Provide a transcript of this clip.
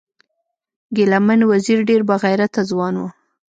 ګلمن وزیر ډیر با غیرته ځوان و